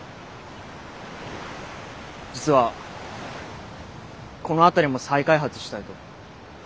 実はこの辺りも再開発したいと。